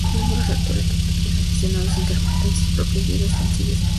Los actores, todos ellos aficionados, interpretan sus propias vidas, sencillas e intrascendentes.